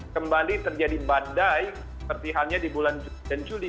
kembali terjadi badai seperti halnya di bulan juli dan juli